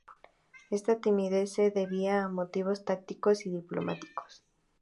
Esta timidez se debía a motivos tácticos y diplomáticos.